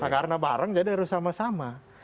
karena bareng jadi harus sama sama